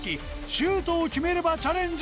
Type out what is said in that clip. シュートを決めればチャレンジ